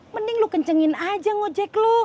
mending lu kencengin aja ngojek lo